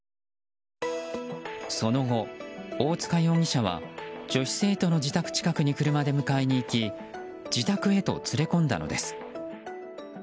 その後、大塚容疑者は女子生徒の自宅近くに車で迎えに行き自宅へと連れ込んだのです。